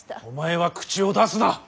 お前は口を出すな！